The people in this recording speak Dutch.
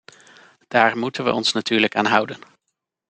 Daar moeten we ons natuurlijk aan houden.